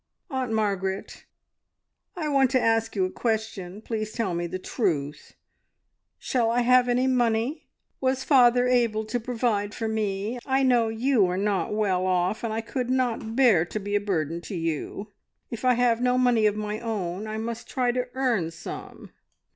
"Aunt Margaret, I want to ask you a question. Please tell me the truth. Shall I have any money? Was father able to provide for me? I know you are not well off, and I could not bear to be a burden to you. If I have no money of my own, I must try to earn some."